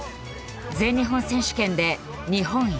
全日本選手権で日本一。